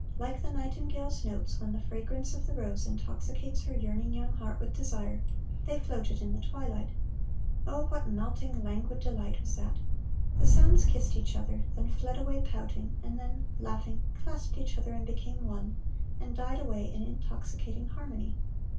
Like the nightingale's notes, when the fragrance of the rose intoxicates her yearning young heart with desire, they floated in the twilight. Oh, what melting, languid delight was that! The sounds kissed each other, then fled away pouting, and then, laughing, clasped each other and became one, and died away in intoxicating harmony.